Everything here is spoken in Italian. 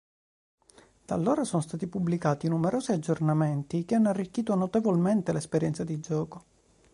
Da allora sono stati pubblicati numerosi aggiornamenti che hanno arricchito notevolmente l'esperienza di gioco.